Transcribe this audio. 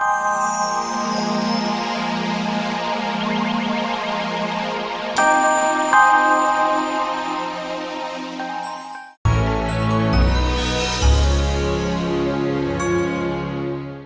ya riset biassembang kayaknya